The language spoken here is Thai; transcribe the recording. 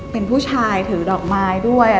เป็นผู้ชายถือดอกไม้ด้วย